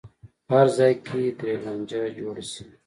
په هر ځای کې ترې لانجه جوړه شي.